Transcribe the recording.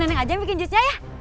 biar nenek aja bikin jusnya ya